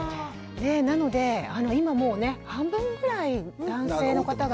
なので今もう半分ぐらいの男性の方が。